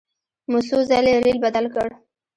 مو څو ځلې ریل بدل کړ.